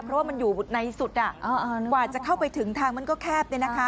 เพราะว่ามันอยู่ในสุดกว่าจะเข้าไปถึงทางมันก็แคบ